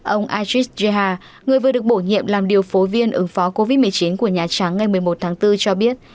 ông ajis reha người vừa được bổ nhiệm làm điều phối viên ứng phó covid một mươi chín của nhà trắng ngày một mươi một tháng bốn cho biết